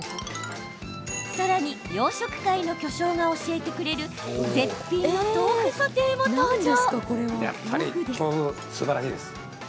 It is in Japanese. さらに、洋食界の巨匠が教えてくれる絶品の豆腐ソテーも登場。